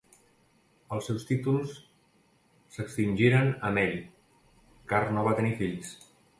Els seus títols s'extingiren amb ell, car no va tenir fills.